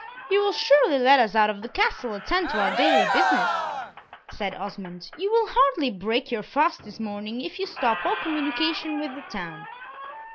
"You will surely let us of the Castle attend to our daily business," said Osmond. "You will hardly break your fast this morning if you stop all communication with the town."